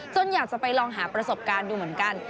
อยากจะไปลองหาประสบการณ์ดูเหมือนกัน